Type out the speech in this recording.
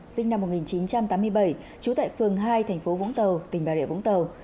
sinh năm một nghìn chín trăm tám mươi bảy trú tại phường hai thành phố vũng tàu tỉnh bà rịa vũng tàu